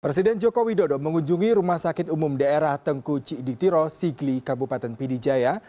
presiden jokowi dodo mengunjungi rumah sakit umum daerah tengku ciditiro sigli kabupaten pidijaya